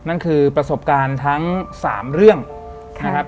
นั่นคือประสบการณ์ทั้ง๓เรื่องนะครับ